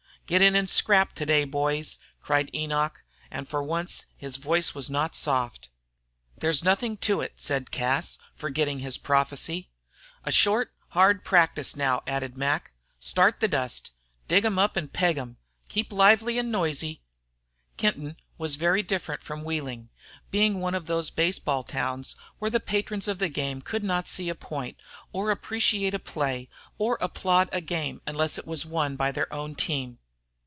"Git in an' scrap today, boys," cried Enoch, and for once his voice was not soft. "There's nothing to it," said Cas, forgetting his prophecy. "A short, hard practice now," added Mac. "Start the dust! Dig 'em up an' peg 'em! Keep lively an' noisy!" Kenton was very different from Wheeling, being one of those baseball towns where the patrons of the game could not see a point, or appreciate a play, or applaud a game unless it was won by their own team.